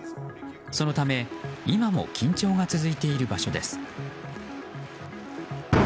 そのため今も緊張が続いている場所です。